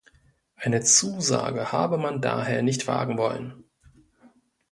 Eine Zusage habe man daher nicht wagen wollen.